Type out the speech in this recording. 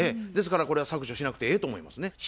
ですからこれは削除しなくてええと思いますね。